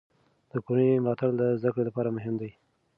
د کورنۍ ملاتړ د زده کړې لپاره مهم دی.